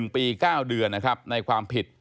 ๑ปี๙เดือนในความผิด